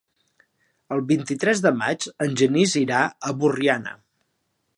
El vint-i-tres de maig en Genís irà a Borriana.